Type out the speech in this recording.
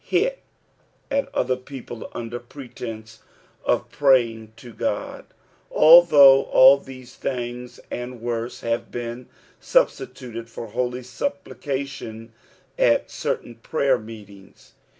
Gl hit at other people under pretence of pr&ying to Ood, althtmgh all tbeM things and wone have been Bubatitnted for hoi; BUpplication at certun prayer meetings.